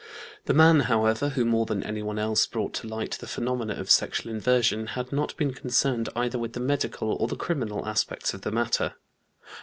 The man, however, who more than anyone else brought to light the phenomena of sexual inversion had not been concerned either with the medical or the criminal aspects of the matter.